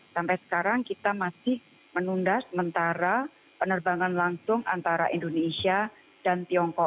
sampai sekarang kita masih menunda sementara penerbangan langsung antara indonesia dan tiongkok